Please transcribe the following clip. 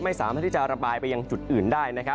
ไม่สามารถที่จะระบายไปยังจุดอื่นได้